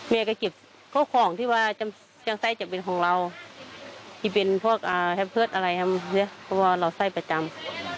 แม่ก็เก็บข้าวของที่ว่าจังไส้จะเป็นของเราที่เป็นพวกแฮมเพิร์ตอะไรแฮมเพราะว่าเราไส้ประจำ